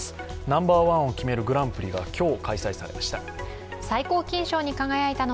ナンバーワンを決めるグランプリが今日、開催されました。